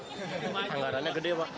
penggarannya gede ya pak